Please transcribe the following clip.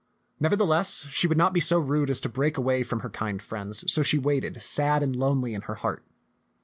Nevertheless, she would not be so rude as to break away from her kind friends, so she waited sad and lonely in her heart.